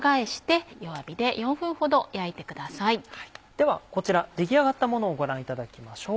ではこちら出来上がったものをご覧いただきましょう。